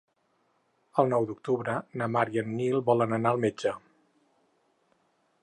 El nou d'octubre na Mar i en Nil volen anar al metge.